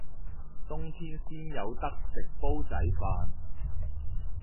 冬天先有得食煲仔飯